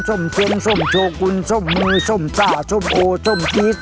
ส้มส้มโชกุลส้มมือส้มจ้าส้มโอส้มจี๊ส